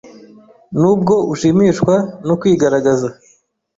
Nubwo ushimishwa no kwigaragaza